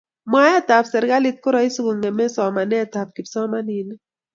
mwaet ap serikalit koraisi kongemei somanet ap kipsomaninik